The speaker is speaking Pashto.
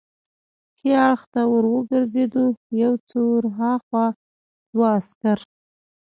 ښي اړخ ته ور وګرځېدو، یو څه ور هاخوا دوه عسکر.